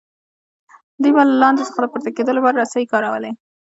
دوی به له لاندې څخه د پورته کیدو لپاره رسۍ کارولې.